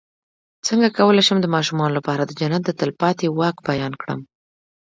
څنګه کولی شم د ماشومانو لپاره د جنت د تل پاتې واک بیان کړم